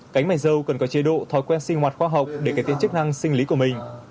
cánh mài dâu cần có chế độ thói quen sinh hoạt khoa học để cải tiến chức năng sinh lý của mình